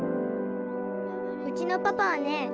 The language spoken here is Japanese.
うちのパパはね